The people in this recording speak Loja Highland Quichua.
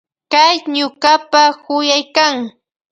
Hay ñukapa yuyaykan.